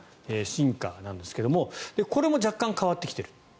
シンカーなんですがこれも若干変わってきている。